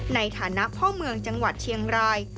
ในฐานะพ่อเมืองจังหวัดเชียงราย